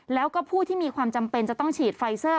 แล้วก็ผู้ที่มีความจำเป็นจะต้องฉีดไฟเซอร์